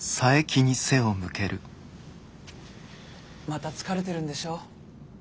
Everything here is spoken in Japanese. また疲れてるんでしょう？